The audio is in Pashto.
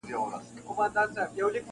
کيسه د فکر سبب ګرځي تل,